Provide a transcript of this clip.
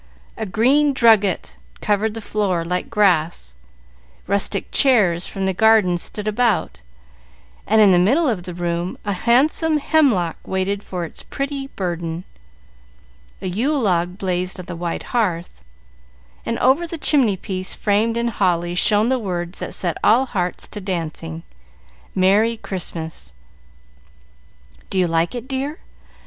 A green drugget covered the floor like grass, rustic chairs from the garden stood about, and in the middle of the room a handsome hemlock waited for its pretty burden. A Yule log blazed on the wide hearth, and over the chimney piece, framed in holly, shone the words that set all hearts to dancing, "Merry Christmas!" "Do you like it, dear?